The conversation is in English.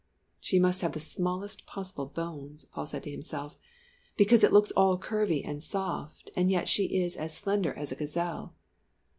"She must have the smallest possible bones," Paul said to himself, "because it looks all curvy and soft, and yet she is as slender as a gazelle."